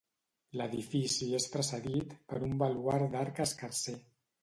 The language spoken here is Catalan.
L'edifici és precedit per un baluard d'arc escarser.